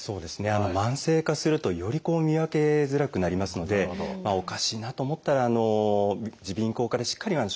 慢性化するとより見分けづらくなりますのでおかしいなと思ったら耳鼻咽喉科でしっかり症状を伝えてですね